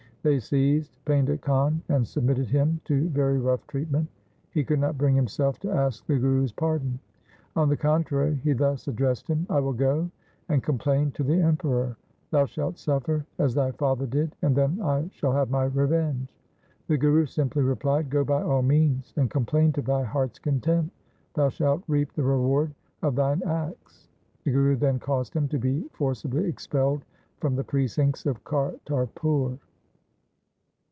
They seized Painda Khan and submitted him to very rough treatment. He could not bring himself to ask the Guru's pardon. On the contrary he thus addressed him :' I will go and complain to the Emperor. Thou shalt suffer as thy father did, and then I shall have my revenge.' The Guru simply replied, ' Go by all means and complain to thy heart's content. Thou shalt reap the reward of thine acts.' The Guru then caused him to be for cibly expelled from the precincts of Kartarpur.